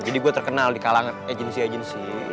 jadi gue terkenal di kalangan agensi agensi